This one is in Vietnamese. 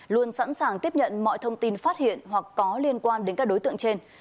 luôn sẵn sàng tiếp nhận mọi thông tin phát hiện hoặc có liên quan đến các đối tượng trên